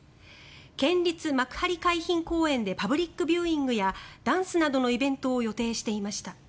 県立幕張海浜公園でパブリックビューイングやダンスなどのイベントを予定していました。